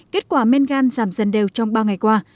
kết quả men gan giảm dần đều trong ba ngày qua